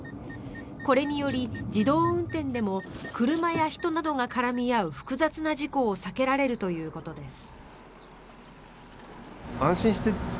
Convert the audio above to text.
これにより、自動運転でも車や人などが絡み合う複雑な事故を避けられるということです。